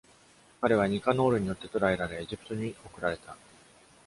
彼はニカノールによって捕らえられ、エジプトに送くられた。